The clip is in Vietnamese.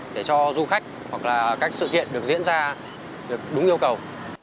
để cho du khách hoặc là các sự kiện được diễn ra được đúng yêu cầu